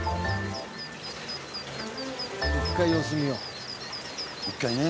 一回様子見よう。